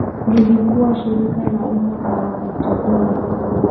lilikuwa shirika la umma kwa wakati huo